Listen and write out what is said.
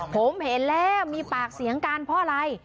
ผมเห็นแล้วมีปากเสียงกันเพราะอะไร